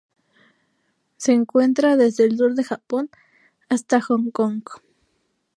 Se encuentra desde el sur del Japón hasta Hong Kong.